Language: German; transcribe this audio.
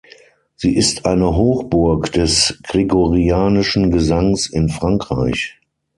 Sie ist eine Hochburg des gregorianischen Gesangs in Frankreich.